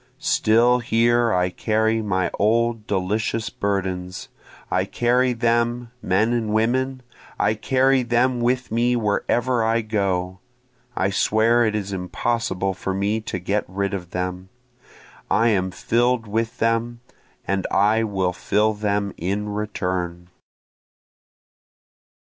(Still here I carry my old delicious burdens, I carry them, men and women, I carry them with me wherever I go, I swear it is impossible for me to get rid of them, I am fill'd with them, and I will fill them in return.)